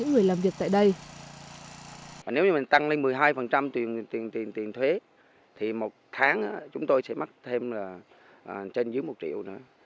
nếu tăng lên một mươi hai tiền thuế thì một tháng chúng tôi sẽ mắc thêm trên dưới một triệu